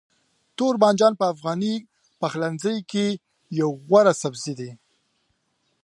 توربانجان په افغاني پخلنځي کې یو غوره سبزی دی.